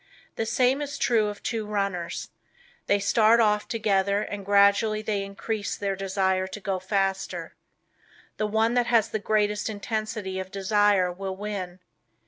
The same is true of two runners. They start off together and gradually they increase their desire to go faster. The one that has the greatest intensity of desire will win.